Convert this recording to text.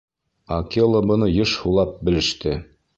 — Акела быны йыш һулап белеште.